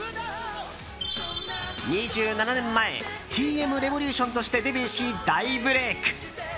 ２７年前Ｔ．Ｍ．Ｒｅｖｏｌｕｔｉｏｎとしてデビューし、大ブレーク。